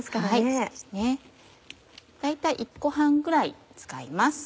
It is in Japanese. そうですね大体１個半くらい使います。